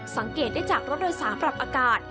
สังเกตได้จากรถโดยสารปรับอากาศ